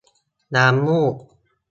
น้ำมูก